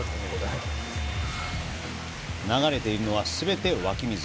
流れているのは全て湧水。